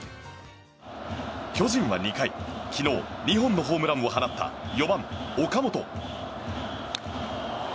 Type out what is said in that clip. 巨人は２回昨日２本のホームランを放った４番、岡本。